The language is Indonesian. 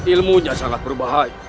ilmunya sangat berbahaya